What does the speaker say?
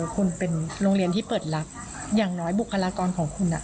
คุณเป็นโรงเรียนที่เปิดรับอย่างน้อยบุคลากรของคุณ